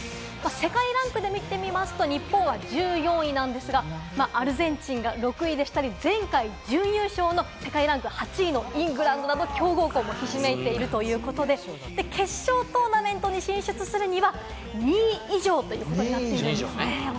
世界ランクで見てみますと、日本は１４位なんですが、アルゼンチンが６位でしたり、前回準優勝の世界ランク８位のイングランドなど、強豪国がひしめいているということで、決勝トーナメントに進出するには２位以上ということです。